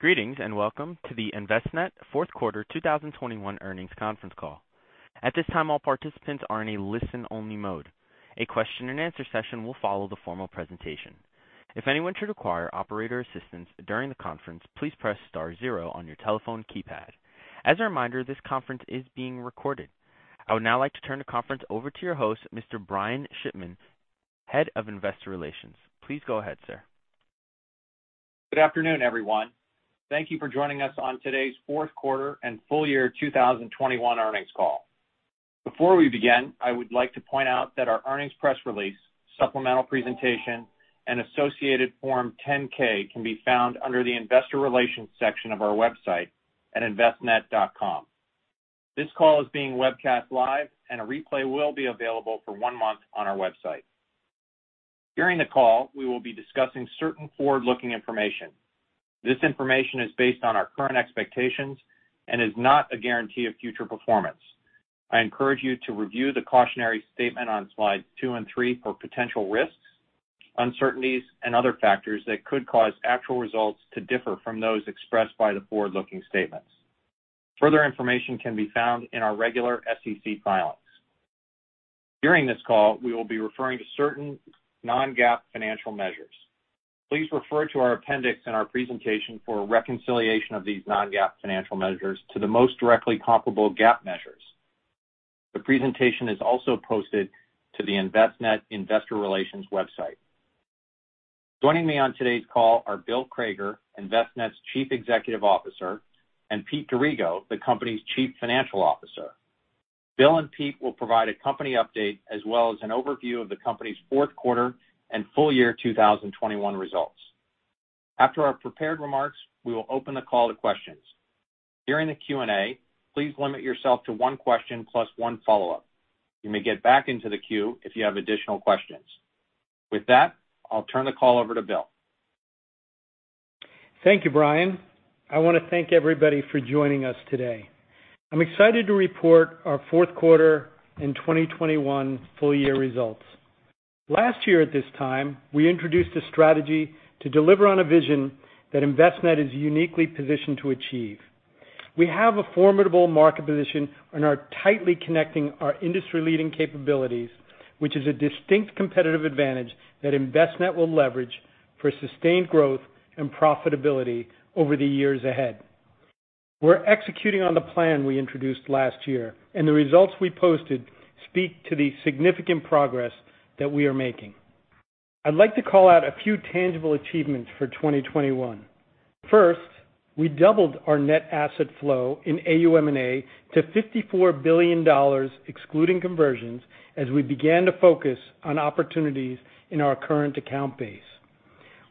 Greetings, and welcome to the Envestnet Q4 2021 earnings conference call. At this time, all participants are in a listen-only mode. A question and answer session will follow the formal presentation. If anyone should require operator assistance during the conference, please press star zero on your telephone keypad. As a reminder, this conference is being recorded. I would now like to turn the conference over to your host, Mr. Brian Shipman, Head of Investor Relations. Please go ahead, sir. Good afternoon, everyone. Thank you for joining us on today's Q4 and full year 2021 earnings call. Before we begin, I would like to point out that our earnings press release, supplemental presentation, and associated Form 10-K can be found under the Investor Relations section of our website at envestnet.com. This call is being webcast live, and a replay will be available for one month on our website. During the call, we will be discussing certain forward-looking information. This information is based on our current expectations and is not a guarantee of future performance. I encourage you to review the cautionary statement on slides two and three for potential risks, uncertainties, and other factors that could cause actual results to differ from those expressed by the forward-looking statements. Further information can be found in our regular SEC filings. During this call, we will be referring to certain non-GAAP financial measures. Please refer to our appendix in our presentation for a reconciliation of these non-GAAP financial measures to the most directly comparable GAAP measures. The presentation is also posted to the Envestnet Investor Relations website. Joining me on today's call are Bill Crager, Envestnet's Chief Executive Officer, and Pete D'Arrigo, the company's Chief Financial Officer. Bill and Pete will provide a company update as well as an overview of the company's Q4 and full year 2021 results. After our prepared remarks, we will open the call to questions. During the Q&A, please limit yourself to one question plus one follow-up. You may get back into the queue if you have additional questions. With that, I'll turn the call over to Bill. Thank you, Brian. I wanna thank everybody for joining us today. I'm excited to report our Q4 and 2021 full year results. Last year at this time, we introduced a strategy to deliver on a vision that Envestnet is uniquely positioned to achieve. We have a formidable market position and are tightly connecting our industry-leading capabilities, which is a distinct competitive advantage that Envestnet will leverage for sustained growth and profitability over the years ahead. We're executing on the plan we introduced last year, and the results we posted speak to the significant progress that we are making. I'd like to call out a few tangible achievements for 2021. First, we doubled our net asset flow in AUM&A to $54 billion excluding conversions as we began to focus on opportunities in our current account base.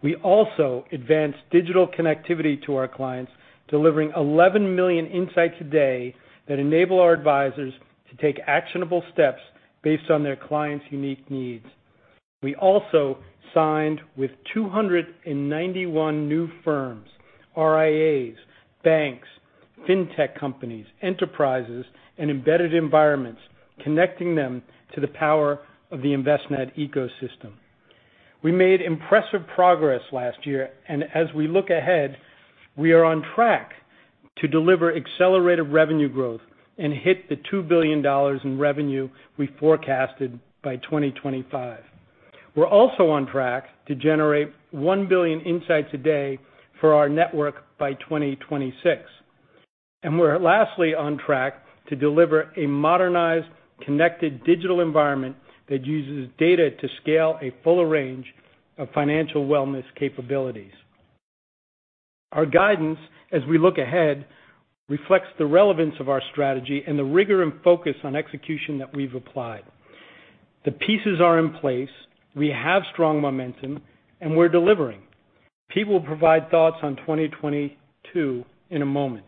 We also advanced digital connectivity to our clients, delivering 11 million insights a day that enable our advisors to take actionable steps based on their clients' unique needs. We also signed with 291 new firms, RIAs, banks, fintech companies, enterprises, and embedded environments, connecting them to the power of the Envestnet ecosystem. We made impressive progress last year, and as we look ahead, we are on track to deliver accelerated revenue growth and hit the $2 billion in revenue we forecasted by 2025. We're also on track to generate 1 billion insights a day for our network by 2026. We're lastly on track to deliver a modernized, connected digital environment that uses data to scale a fuller range of financial wellness capabilities. Our guidance, as we look ahead, reflects the relevance of our strategy and the rigor and focus on execution that we've applied. The pieces are in place. We have strong momentum, and we're delivering. Pete will provide thoughts on 2022 in a moment.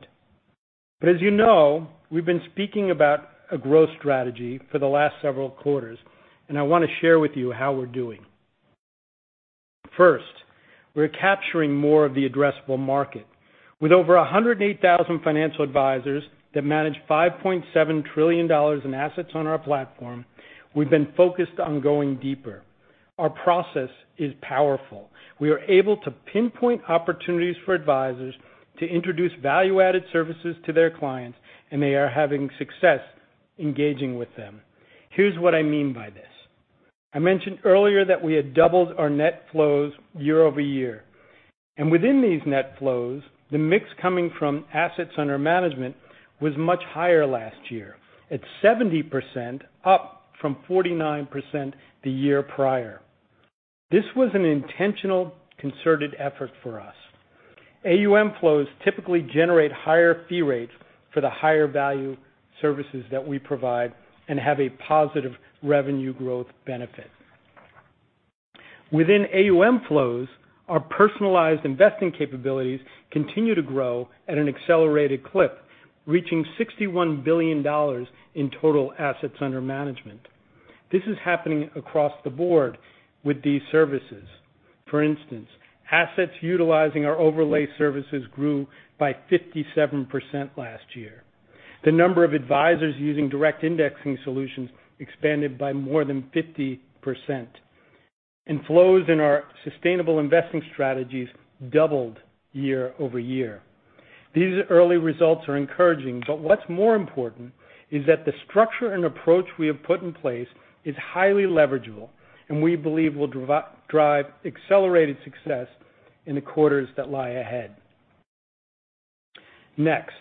As you know, we've been speaking about a growth strategy for the last several quarters, and I wanna share with you how we're doing. First, we're capturing more of the addressable market. With over 108,000 financial advisors that manage $5.7 trillion in assets on our platform, we've been focused on going deeper. Our process is powerful. We are able to pinpoint opportunities for advisors to introduce value-added services to their clients, and they are having success engaging with them. Here's what I mean by this. I mentioned earlier that we had doubled our net flows year-over-year. Within these net flows, the mix coming from assets under management was much higher last year at 70%, up from 49% the year prior. This was an intentional, concerted effort for us. AUM flows typically generate higher fee rates for the higher value services that we provide and have a positive revenue growth benefit. Within AUM flows, our personalized investing capabilities continue to grow at an accelerated clip, reaching $61 billion in total assets under management. This is happening across the board with these services. For instance, assets utilizing our overlay services grew by 57% last year. The number of advisors using direct indexing solutions expanded by more than 50%. Inflows in our sustainable investing strategies doubled year over year. These early results are encouraging, but what's more important is that the structure and approach we have put in place is highly leverageable, and we believe will drive accelerated success in the quarters that lie ahead. Next,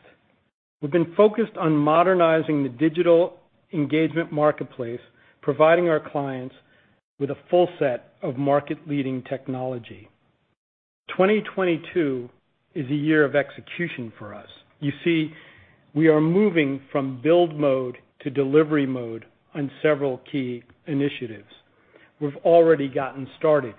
we've been focused on modernizing the digital engagement marketplace, providing our clients with a full set of market-leading technology. 2022 is a year of execution for us. You see, we are moving from build mode to delivery mode on several key initiatives. We've already gotten started.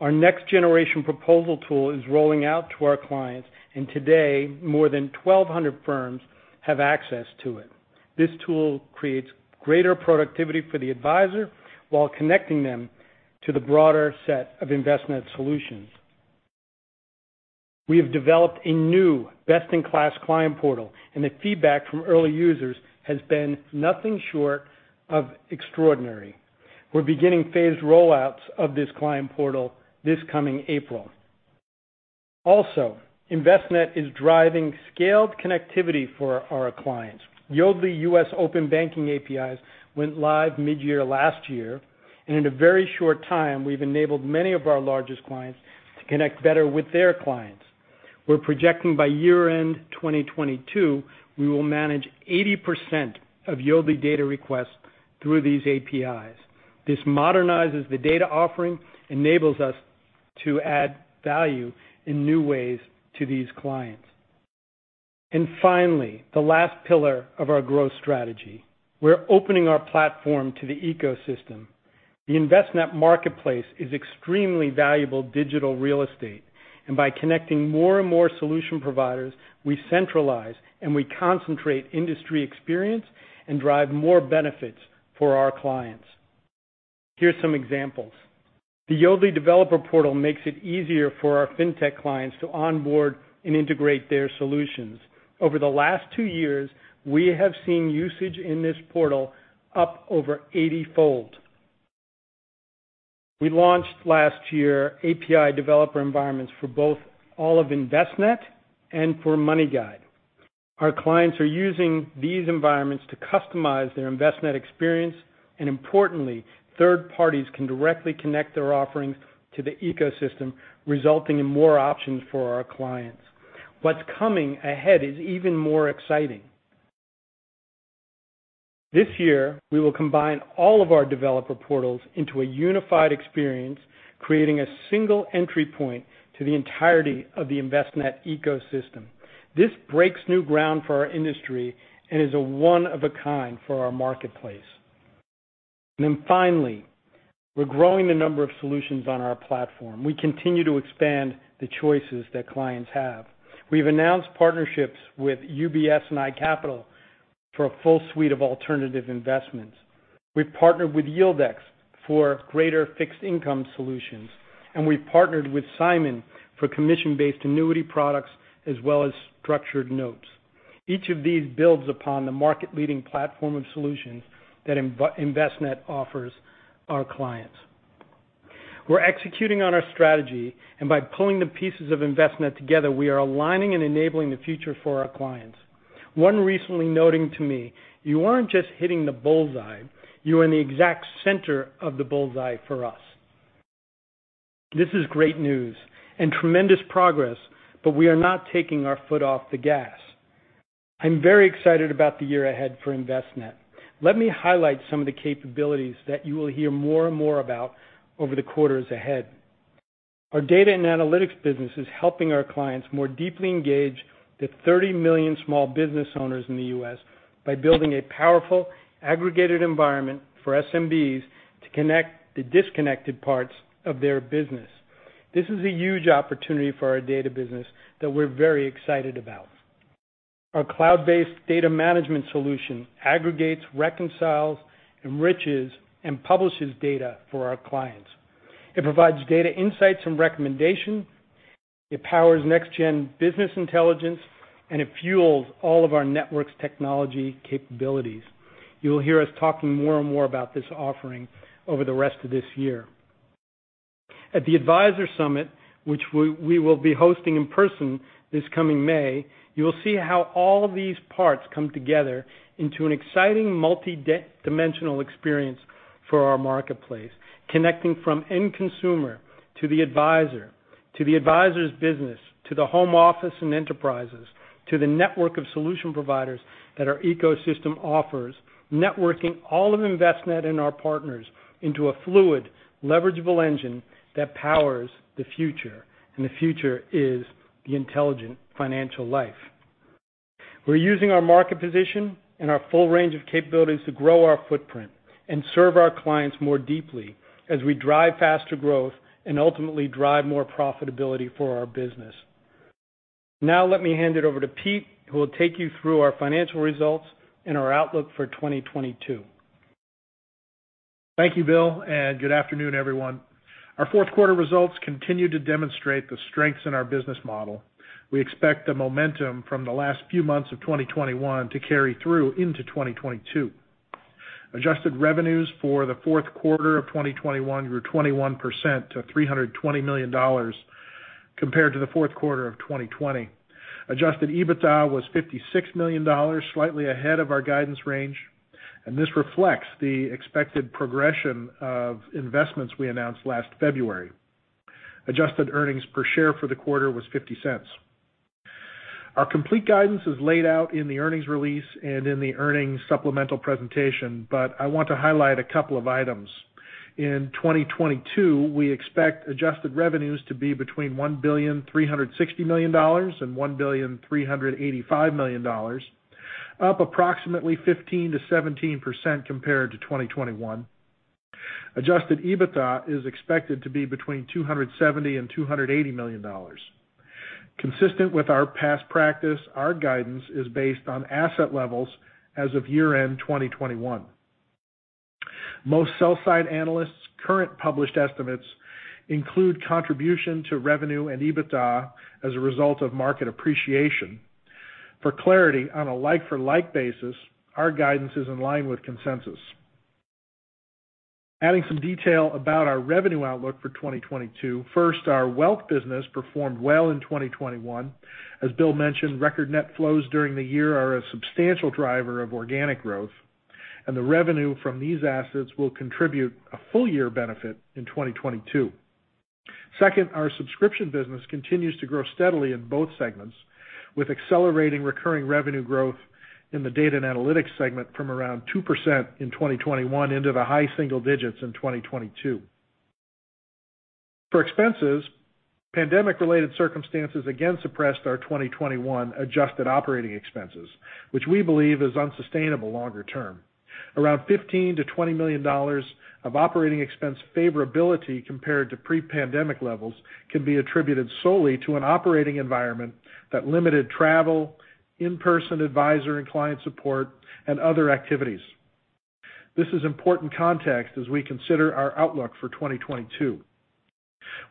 Our next-generation proposal tool is rolling out to our clients, and today, more than 1200 firms have access to it. This tool creates greater productivity for the advisor while connecting them to the broader set of Envestnet solutions. We have developed a new best-in-class client portal, and the feedback from early users has been nothing short of extraordinary. We're beginning phased rollouts of this client portal this coming April. Also, Envestnet is driving scaled connectivity for our clients. Yodlee U.S. open banking APIs went live midyear last year, and in a very short time, we've enabled many of our largest clients to connect better with their clients. We're projecting by year-end 2022, we will manage 80% of Yodlee data requests through these APIs. This modernizes the data offering, enables us to add value in new ways to these clients. Finally, the last pillar of our growth strategy, we're opening our platform to the ecosystem. The Envestnet Marketplace is extremely valuable digital real estate, and by connecting more and more solution providers, we centralize and we concentrate industry experience and drive more benefits for our clients. Here's some examples. The Yodlee developer portal makes it easier for our fintech clients to onboard and integrate their solutions. Over the last two years, we have seen usage in this portal up over 80-fold. We launched last year API developer environments for both Envestnet and MoneyGuide. Our clients are using these environments to customize their Envestnet experience, and importantly, third parties can directly connect their offerings to the ecosystem, resulting in more options for our clients. What's coming ahead is even more exciting. This year, we will combine all of our developer portals into a unified experience, creating a single entry point to the entirety of the Envestnet ecosystem. This breaks new ground for our industry and is one of a kind for our marketplace. Finally, we're growing the number of solutions on our platform. We continue to expand the choices that clients have. We've announced partnerships with UBS and iCapital for a full suite of alternative investments. We've partnered with YieldX for greater fixed income solutions, and we've partnered with SIMON for commission-based annuity products as well as structured notes. Each of these builds upon the market-leading platform of solutions that Envestnet offers our clients. We're executing on our strategy, and by pulling the pieces of Envestnet together, we are aligning and enabling the future for our clients. One recently noting to me, "You aren't just hitting the bull's eye. You are in the exact center of the bull's eye for us." This is great news and tremendous progress, but we are not taking our foot off the gas. I'm very excited about the year ahead for Envestnet. Let me highlight some of the capabilities that you will hear more and more about over the quarters ahead. Our data and analytics business is helping our clients more deeply engage the 30 million small business owners in the U.S. by building a powerful, aggregated environment for SMBs to connect the disconnected parts of their business. This is a huge opportunity for our data business that we're very excited about. Our cloud-based data management solution aggregates, reconciles, enriches, and publishes data for our clients. It provides data insights and recommendation, it powers next-gen business intelligence, and it fuels all of our network's technology capabilities. You'll hear us talking more and more about this offering over the rest of this year. At the Advisor Summit, which we will be hosting in person this coming May, you'll see how all these parts come together into an exciting multi-dimensional experience for our marketplace, connecting from end consumer to the advisor, to the advisor's business, to the home office and enterprises, to the network of solution providers that our ecosystem offers, networking all of Envestnet and our partners into a fluid, leverageable engine that powers the future, and the future is the Intelligent Financial Life. We're using our market position and our full range of capabilities to grow our footprint and serve our clients more deeply as we drive faster growth and ultimately drive more profitability for our business. Now let me hand it over to Pete, who will take you through our financial results and our outlook for 2022. Thank you, Bill, and good afternoon, everyone. Our Q4 results continue to demonstrate the strengths in our business model. We expect the momentum from the last few months of 2021 to carry through into 2022. Adjusted revenues for the Q4 of 2021 grew 21% to $320 million compared to the Q4 of 2020. Adjusted EBITDA was $56 million, slightly ahead of our guidance range, and this reflects the expected progression of investments we announced last February. Adjusted earnings per share for the quarter was $0.50. Our complete guidance is laid out in the earnings release and in the earnings supplemental presentation, but I want to highlight a couple of items. In 2022, we expect adjusted revenues to be between $1.36 billion and $1.385 billion, up approximately 15%-17% compared to 2021. Adjusted EBITDA is expected to be between $270 million and $280 million. Consistent with our past practice, our guidance is based on asset levels as of year-end 2021. Most sell-side analysts' current published estimates include contribution to revenue and EBITDA as a result of market appreciation. For clarity, on a like-for-like basis, our guidance is in line with consensus. Adding some detail about our revenue outlook for 2022. First, our wealth business performed well in 2021. As Bill mentioned, record net flows during the year are a substantial driver of organic growth, and the revenue from these assets will contribute a full year benefit in 2022. Second, our subscription business continues to grow steadily in both segments, with accelerating recurring revenue growth in the data and analytics segment from around 2% in 2021 into the high single digits in 2022. For expenses, pandemic-related circumstances again suppressed our 2021 adjusted operating expenses, which we believe is unsustainable longer term. Around $15 million-$20 million of operating expense favorability compared to pre-pandemic levels can be attributed solely to an operating environment that limited travel, in-person advisor and client support, and other activities. This is important context as we consider our outlook for 2022.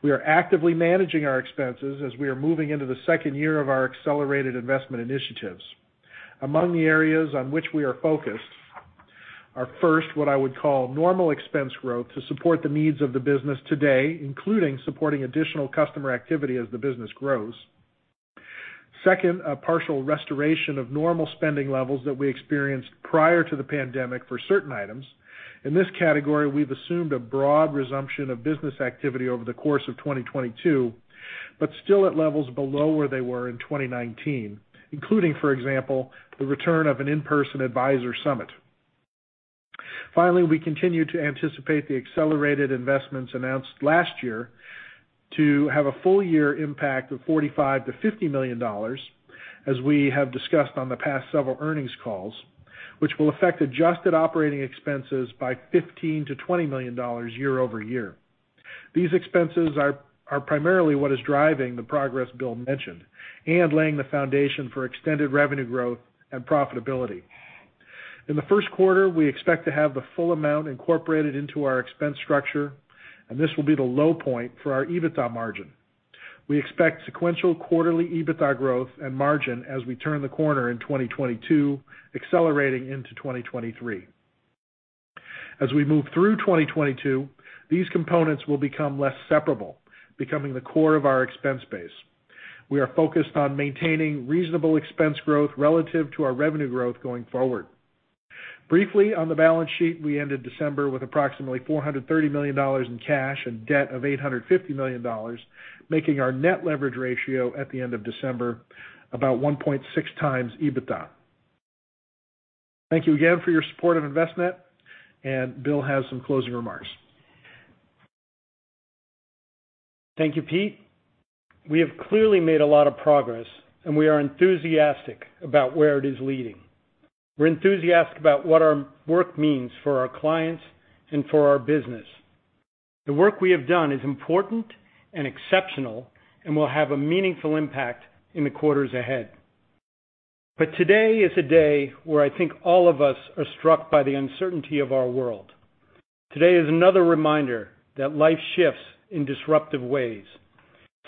We are actively managing our expenses as we are moving into the second year of our accelerated investment initiatives. Among the areas on which we are focused are, first, what I would call normal expense growth to support the needs of the business today, including supporting additional customer activity as the business grows. Second, a partial restoration of normal spending levels that we experienced prior to the pandemic for certain items. In this category, we've assumed a broad resumption of business activity over the course of 2022, but still at levels below where they were in 2019, including, for example, the return of an in-person Advisor Summit. Finally, we continue to anticipate the accelerated investments announced last year to have a full year impact of $45 million-$50 million, as we have discussed on the past several earnings calls, which will affect adjusted operating expenses by $15 million-$20 million year-over-year. These expenses are primarily what is driving the progress Bill mentioned and laying the foundation for extended revenue growth and profitability. In the Q1, we expect to have the full amount incorporated into our expense structure, and this will be the low point for our EBITDA margin. We expect sequential quarterly EBITDA growth and margin as we turn the corner in 2022, accelerating into 2023. As we move through 2022, these components will become less separable, becoming the core of our expense base. We are focused on maintaining reasonable expense growth relative to our revenue growth going forward. Briefly, on the balance sheet, we ended December with approximately $430 million in cash and debt of $850 million, making our net leverage ratio at the end of December about 1.6 times EBITDA. Thank you again for your support of Envestnet, and Bill has some closing remarks. Thank you, Pete. We have clearly made a lot of progress, and we are enthusiastic about where it is leading. We're enthusiastic about what our work means for our clients and for our business. The work we have done is important and exceptional and will have a meaningful impact in the quarters ahead. Today is a day where I think all of us are struck by the uncertainty of our world. Today is another reminder that life shifts in disruptive ways.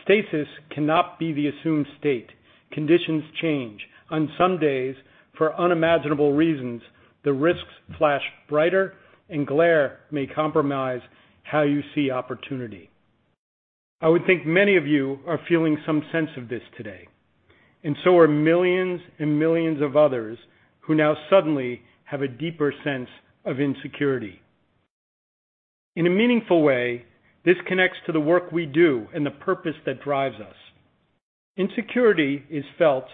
Stasis cannot be the assumed state. Conditions change. On some days, for unimaginable reasons, the risks flash brighter and glare may compromise how you see opportunity. I would think many of you are feeling some sense of this today, and so are millions and millions of others who now suddenly have a deeper sense of insecurity. In a meaningful way, this connects to the work we do and the purpose that drives us. Insecurity is felt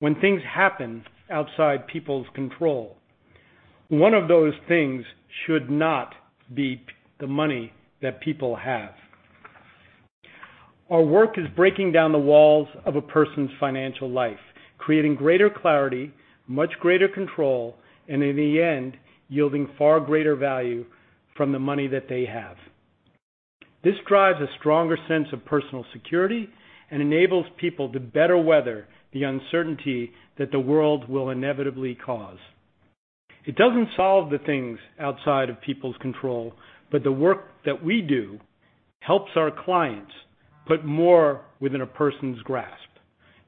when things happen outside people's control. One of those things should not be the money that people have. Our work is breaking down the walls of a person's financial life, creating greater clarity, much greater control, and in the end, yielding far greater value from the money that they have. This drives a stronger sense of personal security and enables people to better weather the uncertainty that the world will inevitably cause. It doesn't solve the things outside of people's control, but the work that we do helps our clients put more within a person's grasp.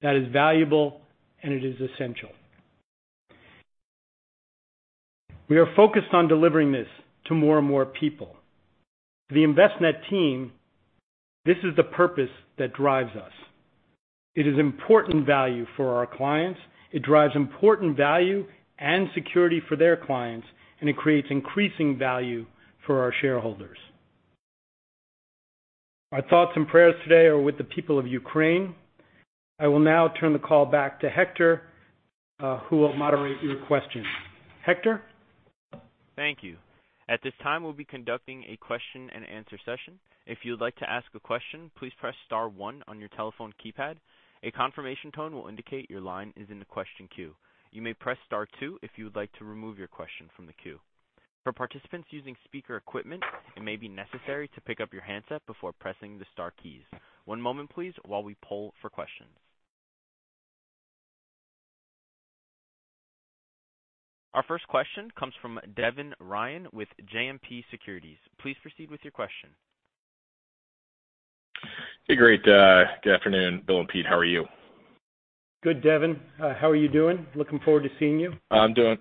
That is valuable, and it is essential. We are focused on delivering this to more and more people. The Envestnet team, this is the purpose that drives us. It is important value for our clients.It drives important value and security for their clients, and it creates increasing value for our shareholders. Our thoughts and prayers today are with the people of Ukraine. I will now turn the call back to Hector, who will moderate your questions. Hector. Thank you. At this time, we'll be conducting a question-and-answer session. If you'd like to ask a question, please press star one on your telephone keypad. A confirmation tone will indicate your line is in the question queue. You may press star two if you would like to remove your question from the queue. For participants using speaker equipment, it may be necessary to pick up your handset before pressing the star keys. One moment, please, while we poll for questions. Our first question comes from Devin Ryan with JMP Securities. Please proceed with your question. Hey, great. Good afternoon, Bill and Pete. How are you? Good, Devin. How are you doing? Looking forward to seeing you. I'm doing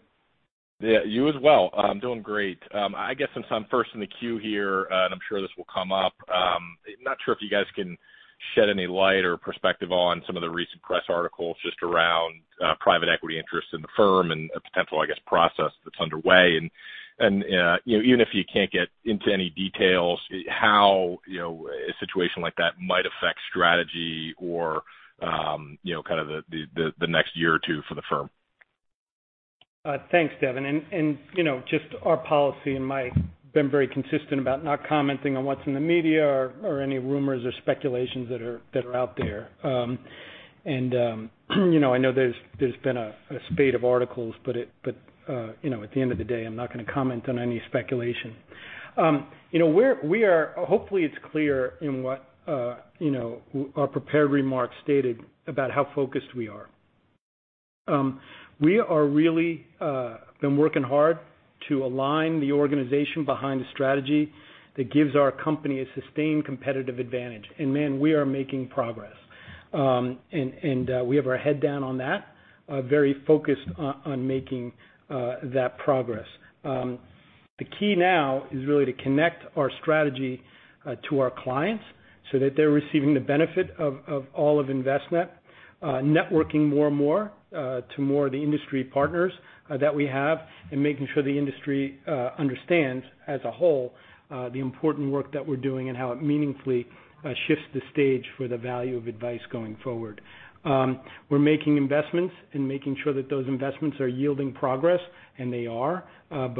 great. I guess since I'm first in the queue here, and I'm sure this will come up, I'm not sure if you guys can shed any light or perspective on some of the recent press articles just around private equity interest in the firm and a potential, I guess, process that's underway. You know, even if you can't get into any details, how you know a situation like that might affect strategy or you know kind of the next year or two for the firm. Thanks, Devin. You know, just our policy might been very consistent about not commenting on what's in the media or any rumors or speculations that are out there. You know, I know there's been a spate of articles, but, you know, at the end of the day, I'm not going to comment on any speculation. You know, we're we are. Hopefully, it's clear in what, you know, our prepared remarks stated about how focused we are. We are really been working hard to align the organization behind a strategy that gives our company a sustained competitive advantage. Man, we are making progress. We have our head down on that, very focused on making that progress. The key now is really to connect our strategy to our clients so that they're receiving the benefit of all of Envestnet. Networking more and more to more of the industry partners that we have, and making sure the industry understands as a whole the important work that we're doing and how it meaningfully sets the stage for the value of advice going forward. We're making investments and making sure that those investments are yielding progress, and they are. I'm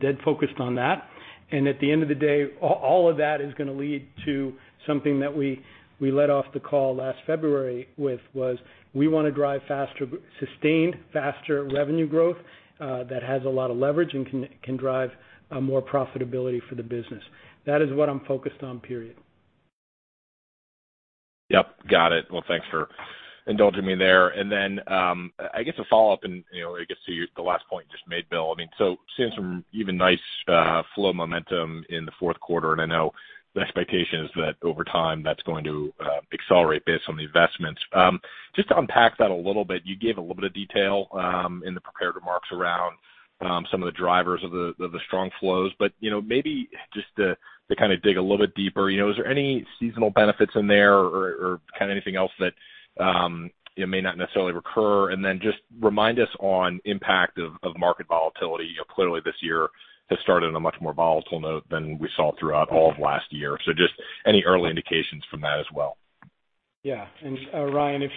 dead focused on that. At the end of the day, all of that is gonna lead to something that we led off the call last February with, which was we wanna drive sustained faster revenue growth that has a lot of leverage and can drive more profitability for the business. That is what I'm focused on, period. Yep, got it. Well, thanks for indulging me there. Then, I guess a follow-up and, you know, I guess to the last point you just made, Bill. I mean, so seeing some even nice flow momentum in the Q4, and I know the expectation is that over time, that's going to accelerate based on the investments. Just to unpack that a little bit, you gave a little bit of detail in the prepared remarks around some of the drivers of the strong flows. You know, maybe just to kind of dig a little bit deeper, you know, is there any seasonal benefits in there or kinda anything else that may not necessarily recure? Then just remind us on impact of market volatility. You know, clearly this year has started on a much more volatile note than we saw throughout all of last year. Just any early indications from that as well. Ryan,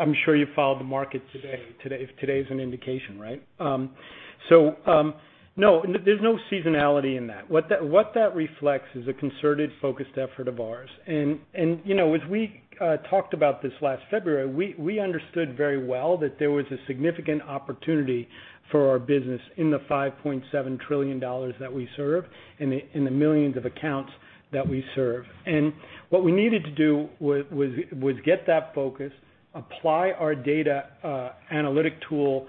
I'm sure you followed the market today. Today is an indication, right? No, there's no seasonality in that. What that reflects is a concerted, focused effort of ours. You know, as we talked about this last February, we understood very well that there was a significant opportunity for our business in the $5.7 trillion that we serve in the millions of accounts that we serve. What we needed to do was get that focus, apply our data analytic tool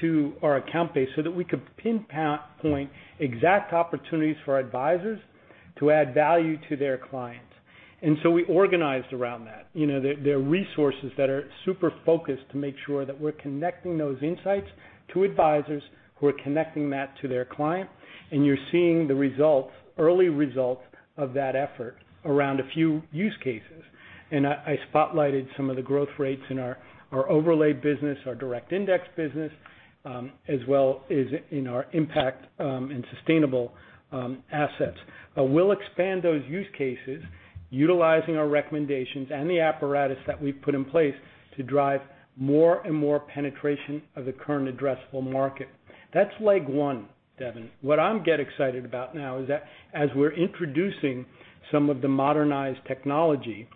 to our account base so that we could pinpoint exact opportunities for our advisors to add value to their clients. We organized around that. there are resources that are super focused to make sure that we're connecting those insights to advisors who are connecting that to their client. You're seeing the results, early results of that effort around a few use cases. I spotlighted some of the growth rates in our overlay business, our direct indexing business, as well as in our impact and sustainable assets. We'll expand those use cases utilizing our recommendations and the apparatus that we've put in place to drive more and more penetration of the current addressable market. That's leg one, Devin. What I'm getting excited about now is that as we're introducing some of the modernized technology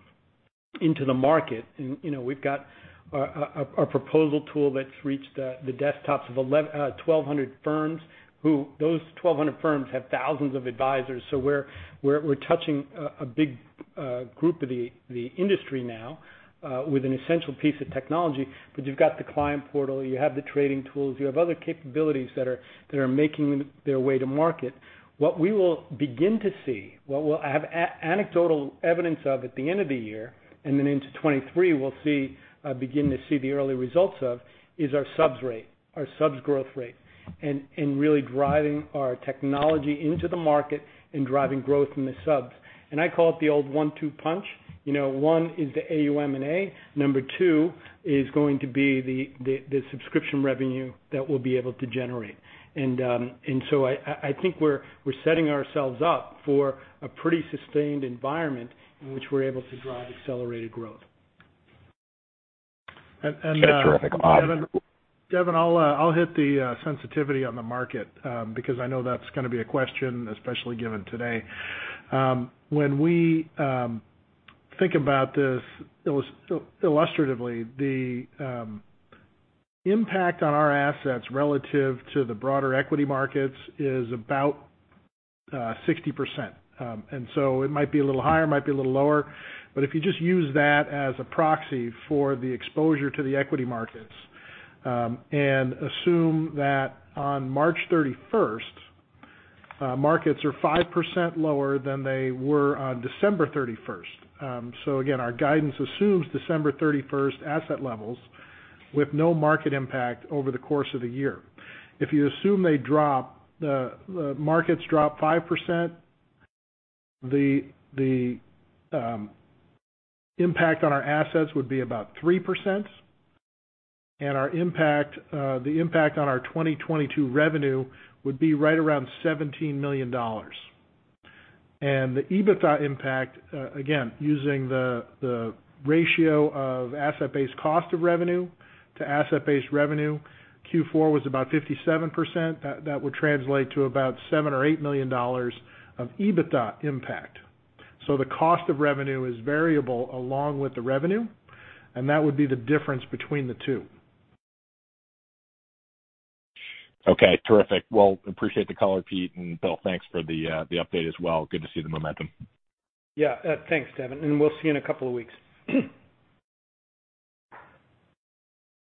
into the market. You know, we've got a proposal tool that's reached the desktops of 1,200 firms, who those 1,200 firms have thousands of advisors. So we're touching a big group of the industry now with an essential piece of technology. But you've got the client portal, you have the trading tools, you have other capabilities that are making their way to market. What we will begin to see, what we'll have anecdotal evidence of at the end of the year, and then into 2023, we'll begin to see the early results of is our subs rate, our subs growth rate. Really driving our technology into the market and driving growth in the subs. I call it the old one-two punch. One is the AUM&A, number two is going to be the subscription revenue that we'll be able to generate. I think we're setting ourselves up for a pretty sustained environment in which we're able to drive accelerated growth.. Devin, I'll hit the sensitivity on the market, because I know that's gonna be a question, especially given today. When we think about this, illustratively, the impact on our assets relative to the broader equity markets is about 60%. It might be a little higher, it might be a little lower. If you just use that as a proxy for the exposure to the equity markets, and assume that on March thirty-first, markets are 5% lower than they were on December thirty-first. Again, our guidance assumes December thirty-first asset levels with no market impact over the course of the year. If you assume they drop, the markets drop 5%, the impact on our assets would be about 3%. Our impact, the impact on our 2022 revenue would be right around $17 million. The EBITDA impact, again, using the ratio of asset-based cost of revenue to asset-based revenue, Q4 was about 57%. That would translate to about $7 million or $8 million of EBITDA impact. The cost of revenue is variable along with the revenue, and that would be the difference between the two. Okay, terrific. Well, I appreciate the, Pete. Bill, thanks for the update as well. Good to see the momentum. Yeah. Thanks, Devin, and we'll see you in a couple of weeks.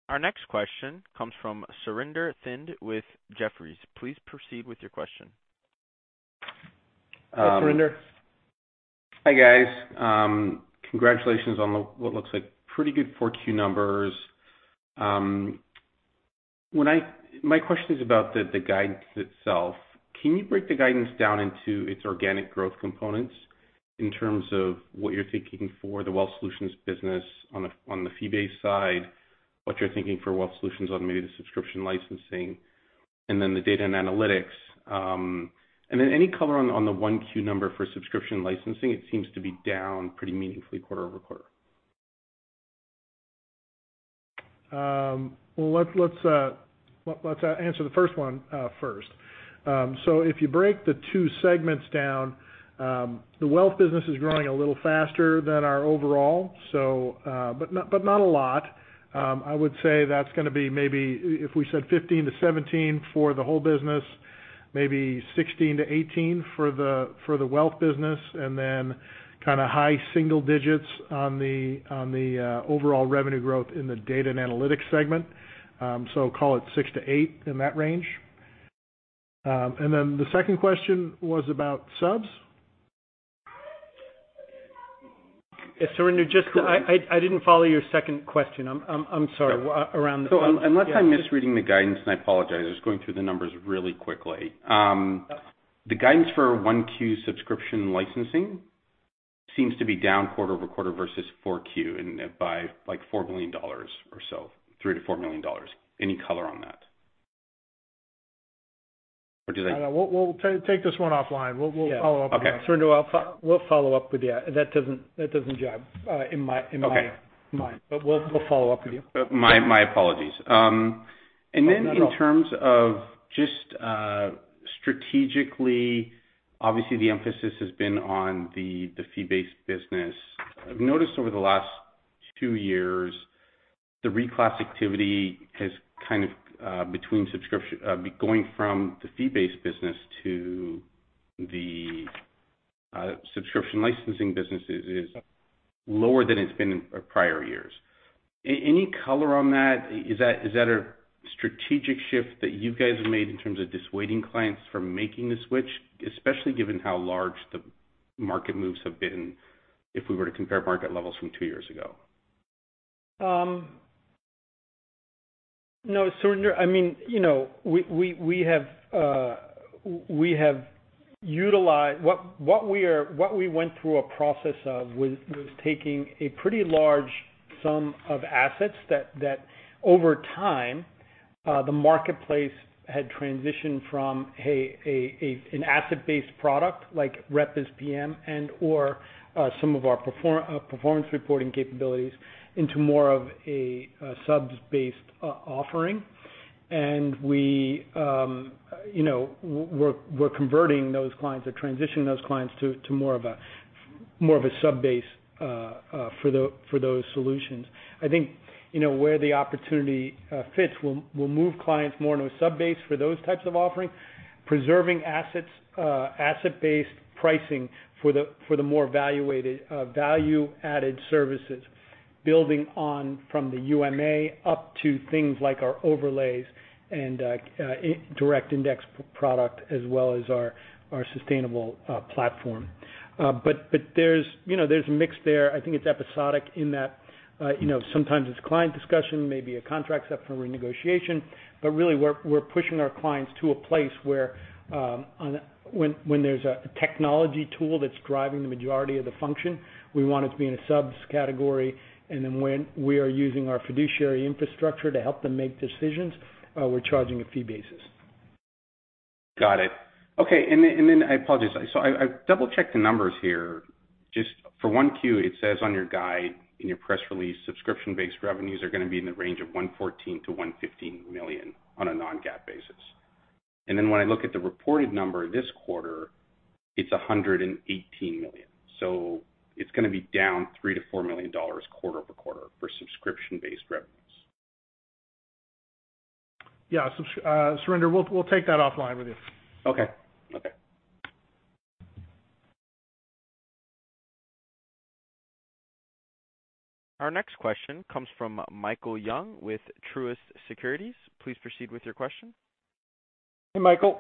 Our next question comes from Surinder Thind with Jefferies. Please proceed with your question. Hi, guys. Congratulations on what looks like pretty good Q4 numbers. My question is about the guidance itself. Can you break the guidance down into its organic growth components in terms of what you're thinking for the Wealth Solutions business on the fee-based side, what you're thinking for Wealth Solutions on maybe the subscription licensing, and then the data and analytics. Any call on the Q1 number for subscription licensing. It seems to be down pretty meaningfully quarter-over-quarter. Well, let's answer the first one first. So if you break the two segments down, the wealth business is growing a little faster than our overall, but not a lot. I would say that's gonna be maybe if we said 15%-17% for the whole business, maybe 16%-18% for the wealth business, and then kinda high single digits on the overall revenue growth in the data and analytics segment. So call it 6%-8% in that range. And then the second question was about subs? Surinder, just I didn't follow your second question. I'm sorry, around the- Unless I'm misreading the guidance, and I apologize, I was going through the numbers really quickly. The guidance for Q1 subscription licensing seems to be down quarter-over-quarter versus Q4 and by like $4 million or so, $3 million-$4 million. Any call on that? We'll take this one offline. We'll follow up. Okay. Surinder, we'll follow up with you. That doesn't jive in my mind. My apologies. In terms of just strategically, obviously the emphasis has been on the fee-based business. I've noticed over the last two years, the reclass activity has kind of going from the fee-based business to the subscription licensing business is lower than it's been in prior years. Any call on that? Is that a strategic shift that you guys have made in terms of dissuading clients from making the switch, especially given how large the market moves have been if we were to compare market levels from two years ago? No, Surinder, we went through a process of was taking a pretty large sum of assets that over time the marketplace had transitioned from an asset-based product like Rep as PM or some of our performance reporting capabilities into more of a subscription-based offering. You know, we're converting those clients or transitioning those clients to more of a subscription-based for those solutions. I think, you know, where the opportunity fits, we'll move clients more into a sub-base for those types of offerings, preserving assets, asset-based pricing for the more value-added services, building on from the UMA up to things like our overlays and direct index product as well as our sustainable platform. There's a mix there. I think it's episodic in that, you know, sometimes it's client discussion, maybe a contract's up for renegotiation. Really we're pushing our clients to a place where, when there's a technology tool that's driving the majority of the function, we want it to be in a subs category. When we are using our fiduciary infrastructure to help them make decisions, we're charging a fee basis. Got it. Okay. I apologize. I double-checked the numbers here. Just for Q1, it says on your guide in your press release, subscription-based revenues are gonna be in the range of $114 million-$115 million on a non-GAAP basis. When I look at the reported number this quarter, it's $118 million. It's gonna be down $3 million-$4 million quarter-over-quarter for subscription-based revenues. Yeah. Surinder, we'll take that offline with you. Okay. Okay. Our next question comes from Michael Young with Truist Securities. Please proceed with your question. Hey, Michael.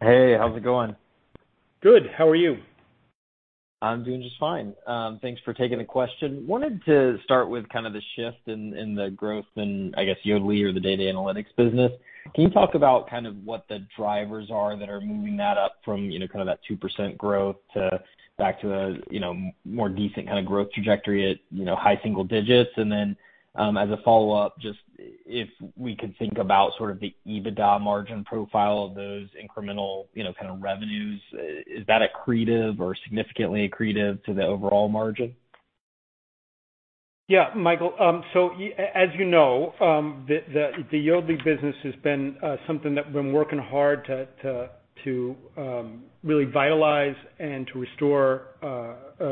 Hey, how's it going? Good. How are you? I'm doing just fine. Thanks for taking the question. Wanted to start with kind of the shift in the growth in, I guess, Yodlee or the data analytics business. Can you talk about kind of what the drivers are that are moving that up from, you know, kind of that 2% growth to back to a, you know, more decent kinda growth trajectory at, you know, high single digits? And then, as a follow-up, just if we could think about sort of the EBITDA margin profile of those incremental, you know, kind of revenues. Is that accretive or significantly accretive to the overall margin? Yeah. Michael, so as you know, the Yodlee business has been something that we've been working hard to revitalize and to restore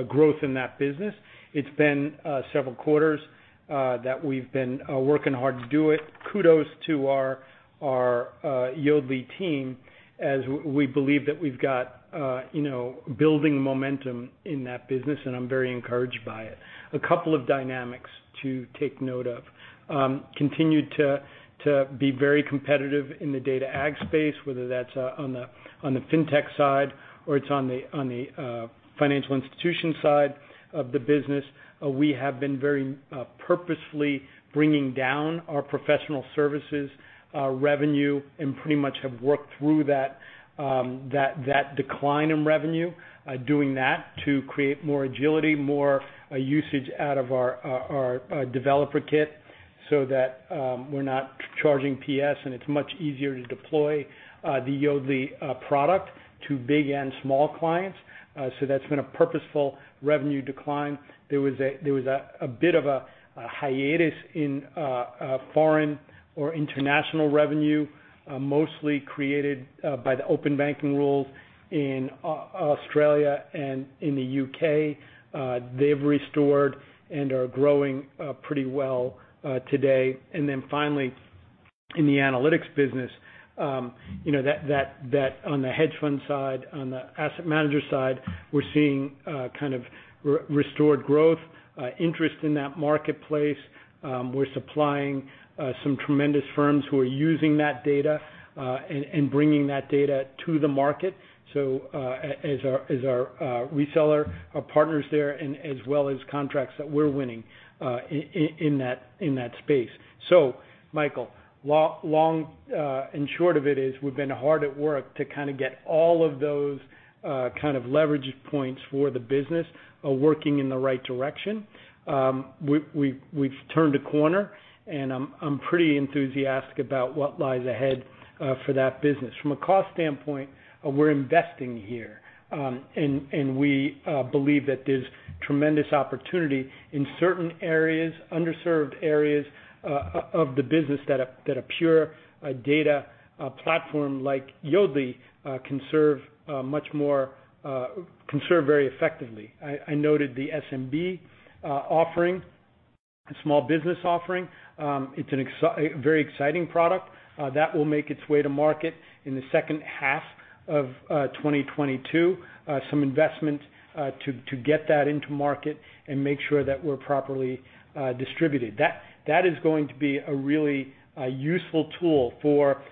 growth in that business. It's been several quarters that we've been working hard to do it, Kudos to our Yodlee team as we believe that we've got you know building momentum in that business, and I'm very encouraged by it. A couple of dynamics to take note of. Continued to be very competitive in the data ag space, whether that's on the financial institution side of the business. We have been very purposefully bringing down our professional services revenue, and pretty much have worked through that decline in revenue, doing that to create more agility, more usage out of our developer kit so that we're not charging PS and it's much easier to deploy the Yodlee product to big and small clients. That's been a purposeful revenue decline. There was a bit of a hiatus in foreign or international revenue, mostly created by the open banking rules in Australia and in the U.K. They've restored and are growing pretty well today. Finally, in the analytics business, you know, that on the hedge fund side, on the asset manager side, we're seeing kind of restored growth, interest in that marketplace. We're supplying some tremendous firms who are using that data and bringing that data to the market. As our reseller, our partners there, and as well as contracts that we're winning in that space. Michael, long and short of it is we've been hard at work to kinda get all of those kind of leverage points for the business working in the right direction. We've turned a corner, and I'm pretty enthusiastic about what lies ahead for that business. From a cost standpoint, we're investing here. We believe that there's tremendous opportunity in certain areas, underserved areas, of the business that a pure data platform like Yodlee can serve very effectively. I noted the SMB offering, the small business offering. It's a very exciting product that will make its way to market in the second half of 2022. Some investment to get that into market and make sure that we're properly distributed. That is going to be a really useful tool for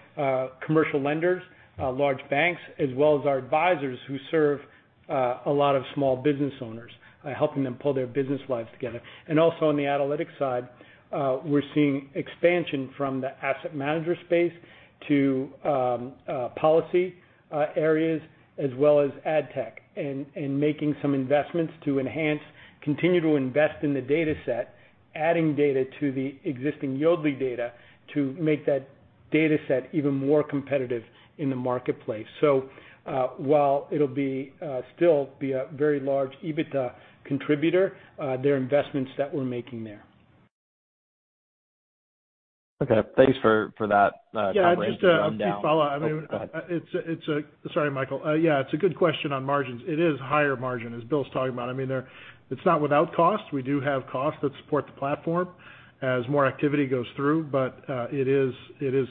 commercial lenders, large banks, as well as our advisors who serve a lot of small business owners, helping them pull their business lives together. Also on the analytics side, we're seeing expansion from the asset manager space to policy areas as well as ad tech and making some investments to enhance, continue to invest in the dataset, adding data to the existing Yodlee data to make that data set even more competitive in the marketplace. While it'll still be a very large EBITDA contributor, there are investments that we're making there. Okay. Thanks for that.(CROSSTALKING) It's a good question on margins. It is higher margin, as Bill's talking about. I mean, it's not without cost. We do have costs that support the platform as more activity goes through, but it is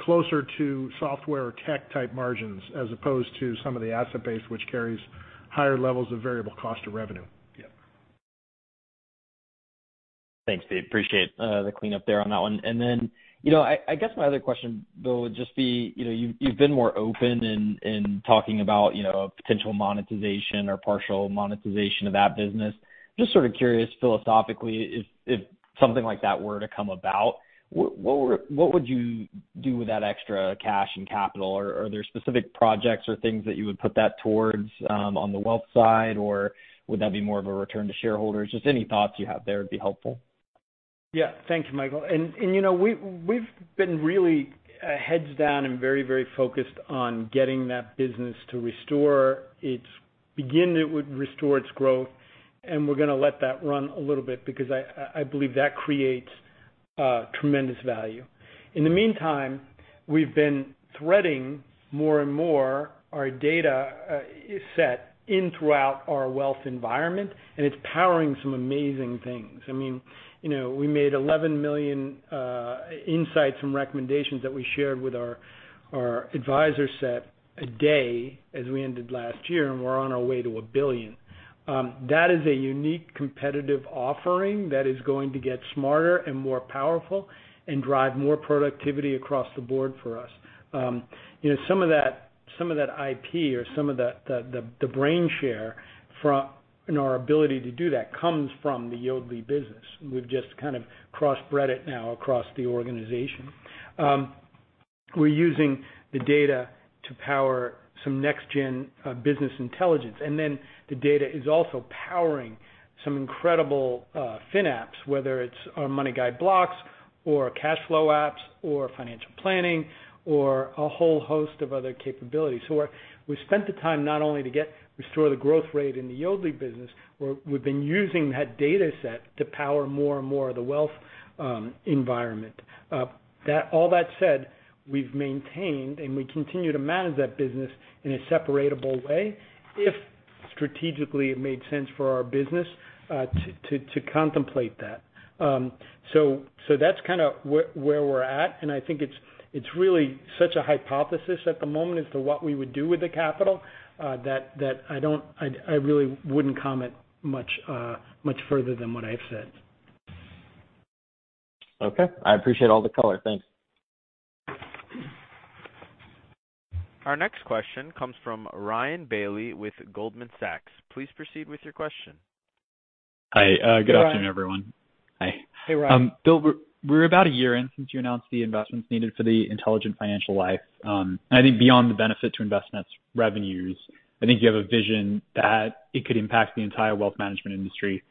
closer to software tech type margins as opposed to some of the asset base which carries higher levels of variable cost of revenue. Thanks, Pete. Appreciate the cleanup there on that one. You know, I guess my other question, Bill, would just be, you know, you've been more open in talking about, you know, a potential monetization or partial monetization of that business. Just sort of curious philosophically if something like that were to come about, what would you do with that extra cash and capital? Are there specific projects or things that you would put that towards, on the wealth side, or would that be more of a return to shareholders? Just any thoughts you have there would be helpful. Yeah. Thank you, Michael. You know, we've been really heads down and very focused on getting that business to begin to restore its growth, and we're gonna let that run a little bit because I believe that creates tremendous value. In the meantime, we've been threading more and more our data set in throughout our wealth environment, and it's powering some amazing things. I mean, you know, we made 11 million insights from recommendations that we shared with our advisor set a day as we ended last year, and we're on our way to a billion. That is a unique competitive offering that is going to get smarter and more powerful and drive more productivity across the board for us. You know, some of that IP or some of the brain share and our ability to do that comes from the Yodlee business. We've just kind of cross-thread it now across the organization. We're using the data to power some next gen business intelligence. The data is also powering some incredible FinApps, whether it's our MoneyGuide Blocks or cash flow apps or financial planning or a whole host of other capabilities. We spent the time not only to restore the growth rate in the Yodlee business. We've been using that data set to power more and more of the wealth environment. That all that said, we've maintained and we continue to manage that business in a separable way if strategically it made sense for our business to contemplate that. That's kind of where we're at, and I think it's really just a hypothesis at the moment as to what we would do with the capital that I don't. I really wouldn't comment much further than what I've said. Okay. I appreciate all the call. Thanks. Our next question comes from Ryan Bailey with Goldman Sachs. Please proceed with your question. Hi Good afternoon, everyone. Hi. Hey, Ryan. Bill, we're about a year in since you announced the investments needed for the Intelligent Financial Life. I think beyond the benefit to investments revenues, I think you have a vision that it could impact the entire wealth management industry.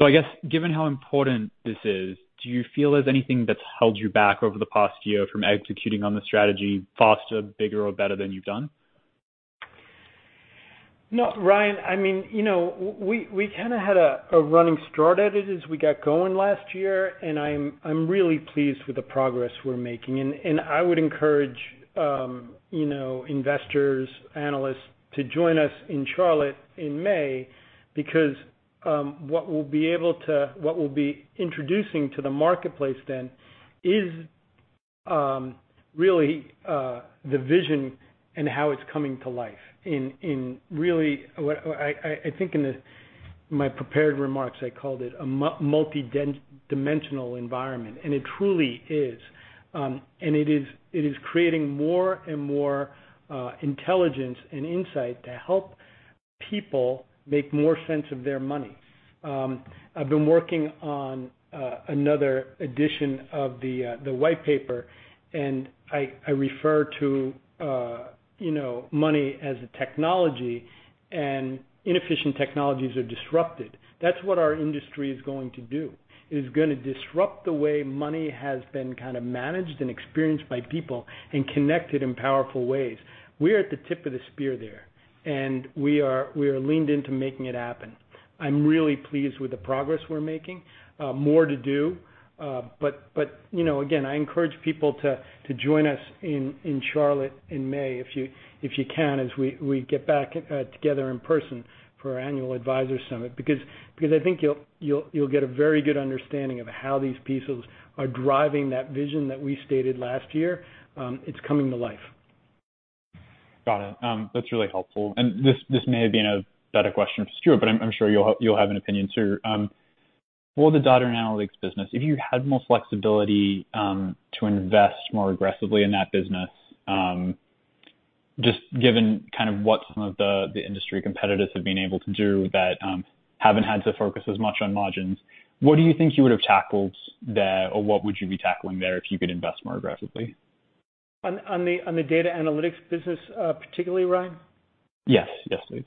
I guess, given how important this is, do you feel there's anything that's held you back over the past year from executing on the strategy faster, bigger, or better than you've done? No, Ryan. I mean, you know, we kinda had a running start at it as we got going last year, and I'm really pleased with the progress we're making. I would encourage, you know, investors, analysts to join us in Charlotte in May because what we'll be introducing to the marketplace then is really the vision and how it's coming to life in really. I think my prepared remarks, I called it a multidimensional environment, and it truly is. It is creating more and more intelligence and insight to help people make more sense of their money. I've been working on another edition of the white paper, and I refer to, you know, money as a technology and inefficient technologies are disrupted. That's what our industry is going to do. It is gonna disrupt the way money has been kind of managed and experienced by people and connect it in powerful ways. We're at the tip of the spear there, and we are leaned into making it happen. I'm really pleased with the progress we're making. More to do, but, you know, again, I encourage people to join us in Charlotte in May if you can, as we get back together in person for our annual Advisor Summit. Because I think you'll get a very good understanding of how these pieces are driving that vision that we stated last year. It's coming to life. Got it. That's really helpful. This may have been a better question for Stuart, but I'm sure you'll have an opinion too. For the data and analytics business, if you had more flexibility to invest more aggressively in that business, just given kind of what some of the industry competitors have been able to do that haven't had to focus as much on margins, what do you think you would have tackled there, or what would you be tackling there if you could invest more aggressively? On the data analytics business, particularly, Ryan? Yes. Yes, please.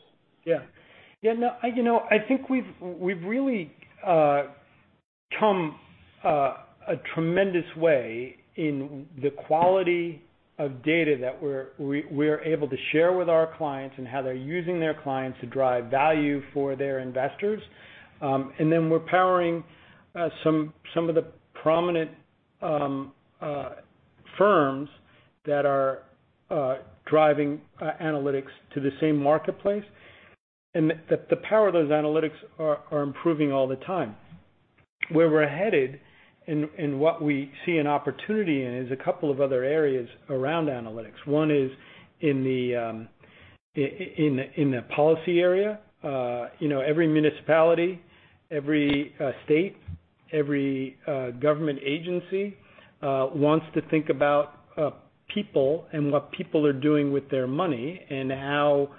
I think we've really come a tremendous way in the quality of data that we're able to share with our clients and how they're using their clients to drive value for their investors. We're powering some of the prominent firms that are driving analytics to the same marketplace. The power of those analytics are improving all the time. Where we're headed and what we see an opportunity in is a couple of other areas around analytics. One is in the policy area. You know, every municipality, every state, every government agency wants to think about people and what people are doing with their money and how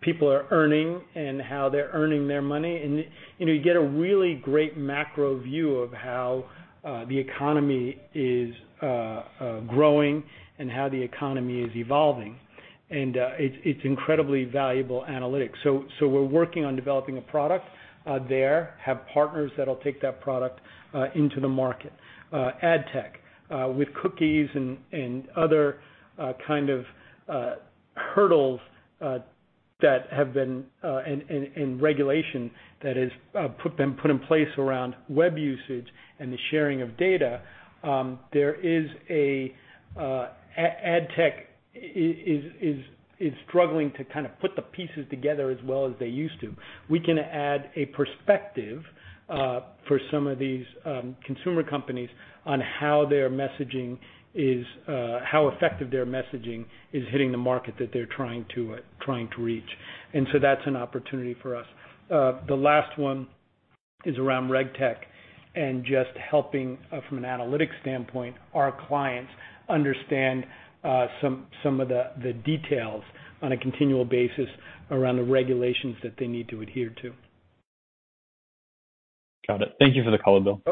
people are earning and how they're earning their money. You know, you get a really great macro view of how the economy is growing and how the economy is evolving. It's incredibly valuable analytics. We're working on developing a product there. We have partners that'll take that product into the market. Ad tech with cookies and other kind of hurdles that have been and regulation that is put in place around web usage and the sharing of data. There is. Ad tech is struggling to kind of put the pieces together as well as they used to. We can add a perspective for some of these consumer companies on how their messaging is, how effective their messaging is hitting the market that they're trying to reach. That's an opportunity for us. The last one is around RegTech and just helping, from an analytics standpoint, our clients understand some of the details on a continual basis around the regulations that they need to adhere to. Got it. Thank you for the call, Bill.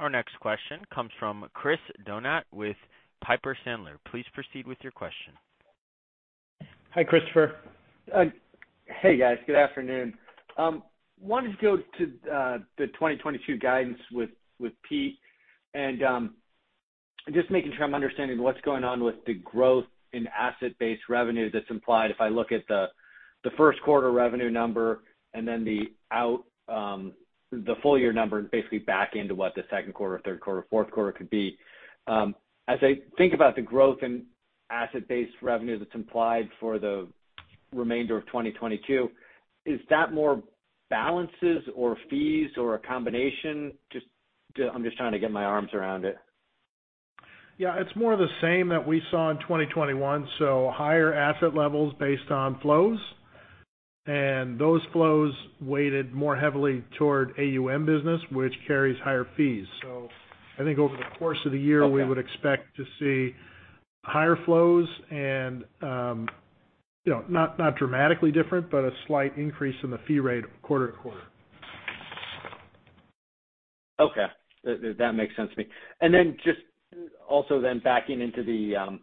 Our next question comes from Chris Donat with Piper Sandler. Please proceed with your question. Hi, Chris. Hey, guys. Good afternoon. Wanted to go to the 2022 guidance with Pete, and just making sure I'm understanding what's going on with the growth in asset-based revenue that's implied if I look at the Q1 revenue number and then the full year number basically back into what the Q2, Q3, Q4 could be. As I think about the growth in asset-based revenue that's implied for the remainder of 2022, is that more balances or fees or a combination? I'm just trying to get my arms around it. Yeah. It's more of the same that we saw in 2021. Higher asset levels based on flows. Those flows weighted more heavily toward AUM business, which carries higher fees. I think over the course of the year. We would expect to see higher flows and, you know, not dramatically different, but a slight increase in the fee rate quarter to quarter. Okay. That makes sense to me. Then just also then backing into the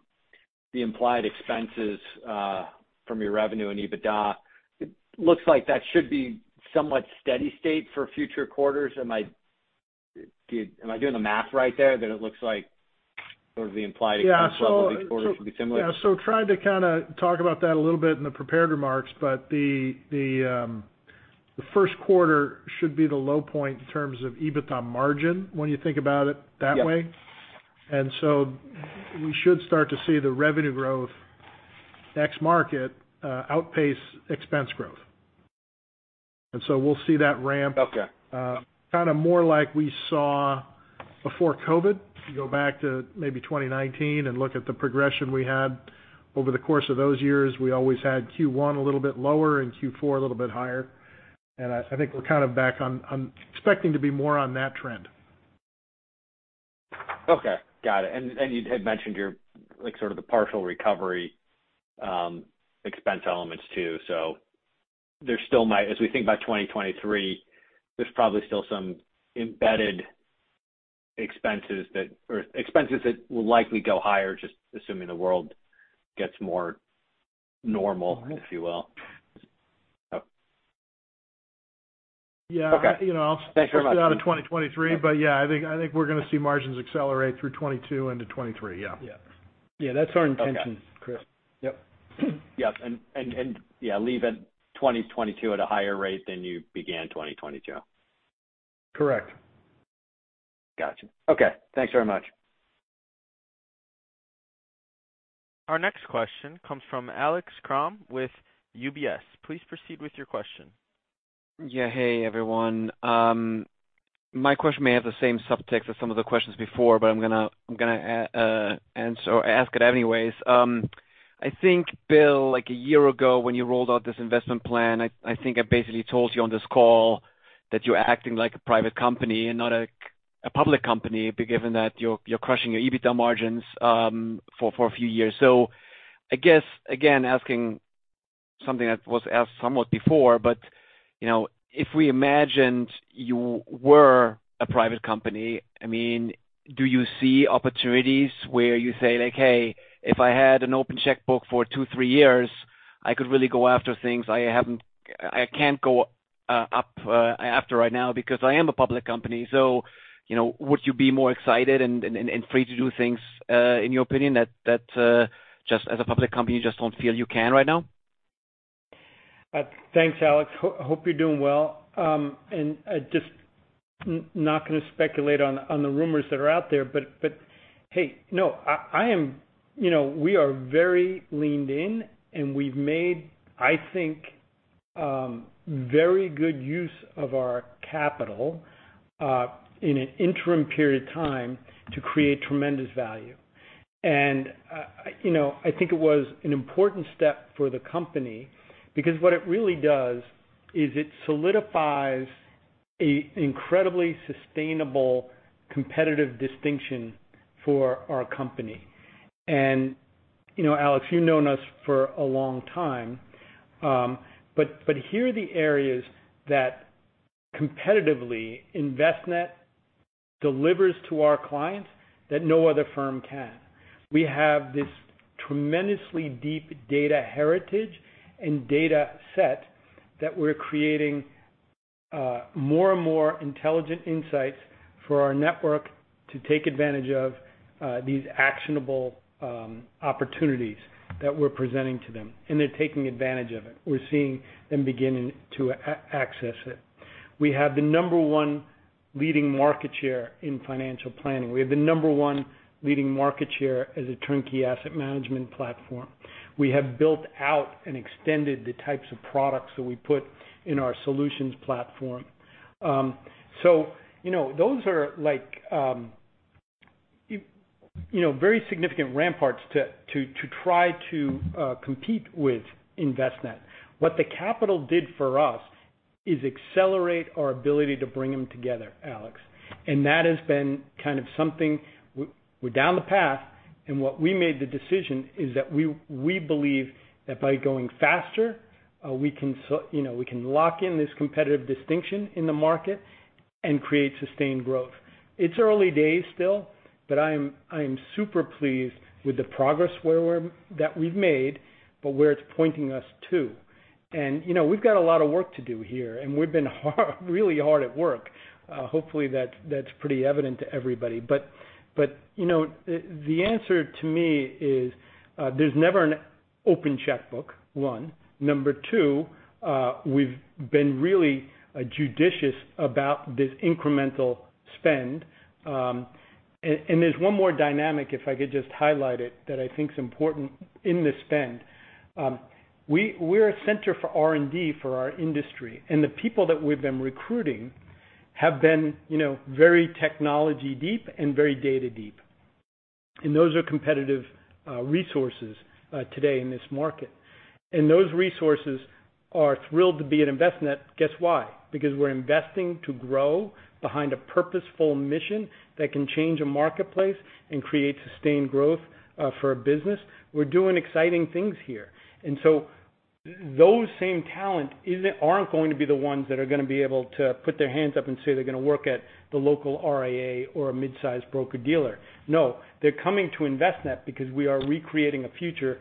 implied expenses from your revenue and EBITDA, it looks like that should be somewhat steady state for future quarters. Am I doing the math right there? That it looks like sort of the implied- Expense level each quarter should be similar. Yeah. Tried to kinda talk about that a little bit in the prepared remarks, but the Q1 should be the low point in terms of EBITDA margin when you think about it that way. We should start to see the revenue growth next market, outpace expense growth. We'll see that ramp- Kinda more like we saw before COVID. If you go back to maybe 2019 and look at the progression we had over the course of those years, we always had Q1 a little bit lower and Q4 a little bit higher. I think we're kind of back on expecting to be more on that trend. Okay. Got it. You had mentioned your, like, sort of the partial recovery, expense elements too. There still might. As we think about 2023, there's probably still some embedded expenses or expenses that will likely go higher, just assuming the world gets more normal. Thanks very much. push that to 2023, but yeah, I think we're gonna see margins accelerate through 2022 into 2023. Yeah. Yes. Yeah, leave it 2022 at a higher rate than you began 2022. Correct. Gotcha. Okay. Thanks very much. Our next question comes from Alex Kramm with UBS. Please proceed with your question. Hey, everyone. My question may have the same subtext as some of the questions before, but I'm gonna answer or ask it anyways. I think Bill, like a year ago when you rolled out this investment plan, I think I basically told you on this call that you're acting like a private company and not a public company but given that you're crushing your EBITDA margins for a few years. I guess again asking something that was asked somewhat before, but you know, if we imagined you were a private company, I mean, do you see opportunities where you say like, "Hey, if I had an open checkbook for two, three years, I could really go after things I can't go after right now because I am a public company." You know, would you be more excited and free to do things in your opinion that just as a public company, you just don't feel you can right now? Thanks, Alex. Hope you're doing well. Just not gonna speculate on the rumors that are out there, but hey, no, I am, you know, we are very leaned in, and we've made, I think, very good use of our capital in an interim period of time to create tremendous value. You know, I think it was an important step for the company because what it really does is it solidifies an incredibly sustainable competitive distinction for our company. You know, Alex, you've known us for a long time, but here are the areas that competitively Envestnet delivers to our clients that no other firm can. We have this tremendously deep data heritage and data set that we're creating more and more intelligent insights for our network to take advantage of these actionable opportunities that we're presenting to them, and they're taking advantage of it. We're seeing them beginning to access it. We have the number one leading market share in financial planning. We have the number one leading market share as a turnkey asset management platform. We have built out and extended the types of products that we put in our solutions platform. You know, those are like, you know, very significant ramparts to try to compete with Envestnet. What the capital did for us is accelerate our ability to bring them together, Alex. That has been kind of something we're down the path, and what we made the decision is that we believe that by going faster, we can, you know, lock in this competitive distinction in the market and create sustained growth. It's early days still, but I am super pleased with the progress that we've made, but where it's pointing us to. You know, we've got a lot of work to do here, and we've been really hard at work. Hopefully that's pretty evident to everybody. You know, the answer to me is, there's never an open checkbook, one. Number two, we've been really judicious about this incremental spend. And there's one more dynamic, if I could just highlight it, that I think is important in the spend. We're a center for R&D for our industry, and the people that we've been recruiting have been, you know, very technology deep and very data deep. Those are competitive resources today in this market. Those resources are thrilled to be at Envestnet. Guess why? Because we're investing to grow behind a purposeful mission that can change a marketplace and create sustained growth for a business. We're doing exciting things here. Those same talent aren't going to be the ones that are gonna be able to put their hands up and say they're gonna work at the local RIA or a mid-size broker-dealer. No, they're coming to Envestnet because we are recreating a future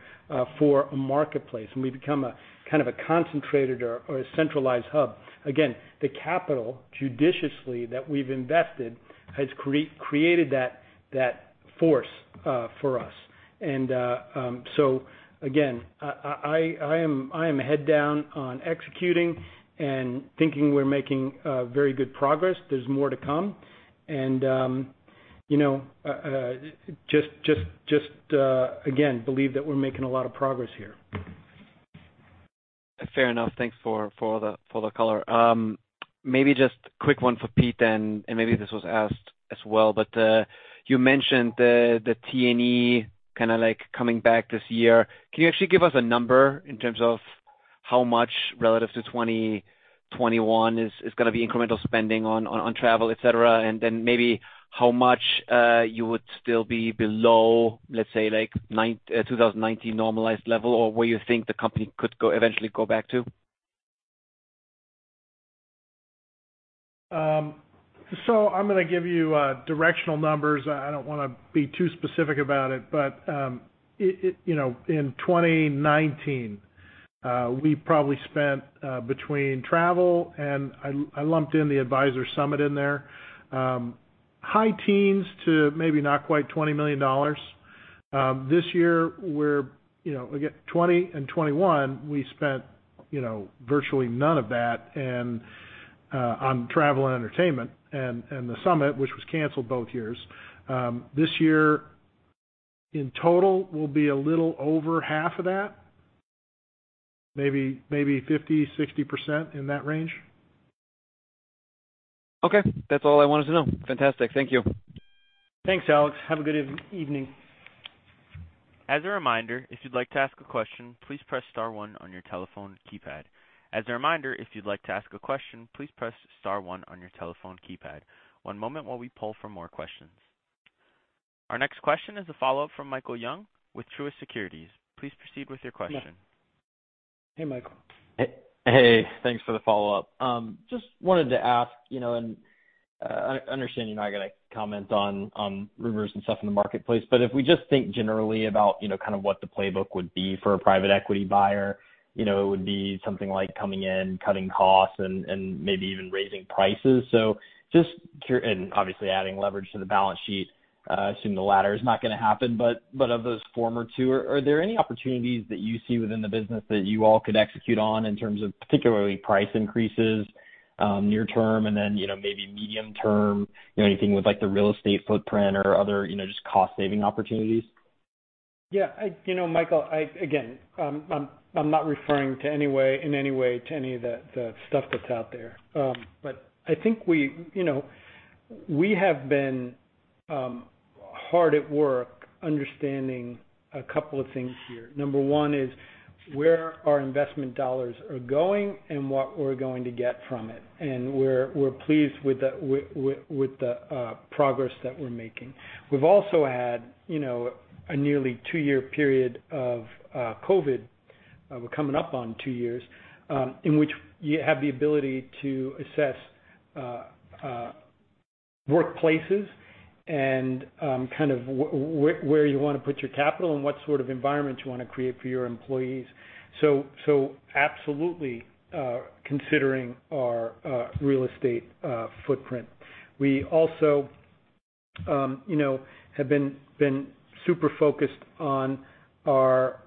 for a marketplace, and we've become a kind of a concentrated or a centralized hub. Again, the capital judiciously that we've invested has created that force for us. I am head down on executing and thinking we're making very good progress. There's more to come. You know, just again, I believe that we're making a lot of progress here. Fair enough. Thanks for the call. Maybe just quick one for Pete then, and maybe this was asked as well, but you mentioned the T&E kinda like coming back this year. Can you actually give us a number in terms of how much relative to 2021 is gonna be incremental spending on travel, et cetera? And then maybe how much you would still be below, let's say, like 2019 normalized level, or where you think the company could go, eventually go back to. I'm gonna give you directional numbers. I don't wanna be too specific about it, but it you know, in 2019 we probably spent between travel and I lumped in the Advisor Summit in there high teens to maybe not quite $20 million. This year we're you know, again, 2020 and 2021, we spent you know, virtually none of that and on travel and entertainment and the summit, which was canceled both years. This year, in total will be a little over half of that, maybe 50%-60%, in that range. Okay. That's all I wanted to know. Fantastic. Thank you. Thanks, Alex. Have a good evening. Our next question is a follow-up from Michael Young with Truist Securities. Please proceed with your question. Hey, Michael. Hey, thanks for the follow-up. Just wanted to ask, you know, and I understand you're not gonna comment on rumors and stuff in the marketplace, but if we just think generally about, you know, kind of what the playbook would be for a private equity buyer, you know, it would be something like coming in, cutting costs and maybe even raising prices and obviously adding leverage to the balance sheet, assuming the latter is not gonna happen. Of those former two, are there any opportunities that you see within the business that you all could execute on in terms of particularly price increases near term and then, you know, maybe medium term, you know, anything with like the real estate footprint or other cost saving opportunities? Yeah, you know, Michael, I again, I'm not referring in any way to any of the stuff that's out there. I think we have been hard at work understanding a couple of things here. Number one is where our investment dollars are going and what we're going to get from it. We're pleased with the progress that we're making. We've also had a nearly two-year period of COVID. We're coming up on two years in which you have the ability to assess workplaces and kind of where you wanna put your capital and what sort of environment you wanna create for your employees. Absolutely, considering our real estate footprint. We also have been super focused on our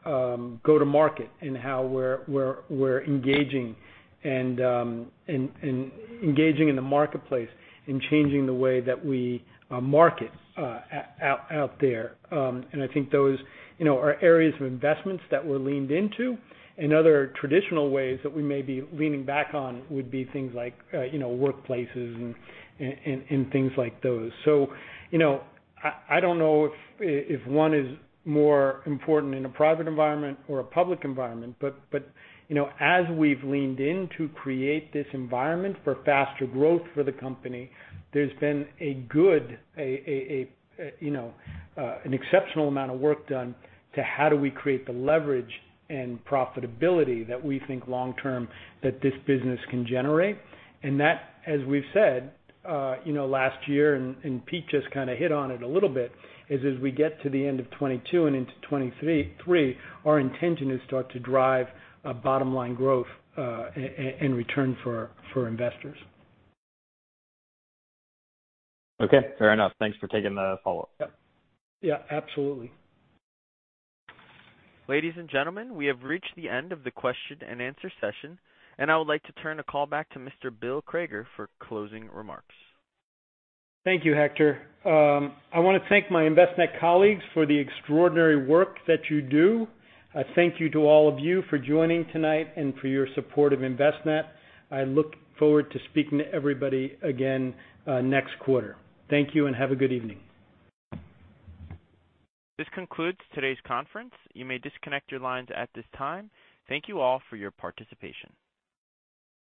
go-to-market and how we're engaging and engaging in the marketplace and changing the way that we market out there. I think those are areas of investments that we're leaned into and other traditional ways that we may be leaning back on would be things like, workplaces and things like those. I don't know if one is more important in a private environment or a public environment, but as we've leaned in to create this environment for faster growth for the company, there's been an exceptional amount of work done to how do we create the leverage and profitability that we think long term that this business can generate. That, as we've said you know last year, and Pete just kinda hit on it a little bit, is as we get to the end of 2022 and into 2023, our intention is start to drive a bottom-line growth and return for investors. Okay, fair enough. Thanks for taking the follow-up. Yeah. Yeah, absolutely. Ladies and gentlemen, we have reached the end of the question and answer session, and I would like to turn the call back to Mr. Bill Crager for closing remarks. Thank you, Hector. I wanna thank my Envestnet colleagues for the extraordinary work that you do. A thank you to all of you for joining tonight and for your support of Envestnet. I look forward to speaking to everybody again, next quarter. Thank you and have a good evening. This concludes today's conference. You may disconnect your lines at this time. Thank you all for your participation.